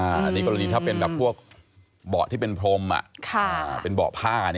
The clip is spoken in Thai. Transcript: อันนี้กรณีถ้าเป็นกับบ่อที่เป็นพรมเป็นบ่อผ้า